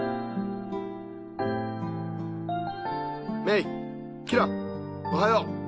メイキラおはよう。